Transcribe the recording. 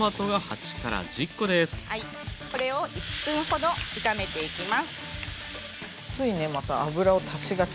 これを１分ほど炒めていきます。